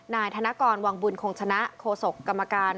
นายธนกรวังบุญคงชนะโคศกภักดิ์กรรมการ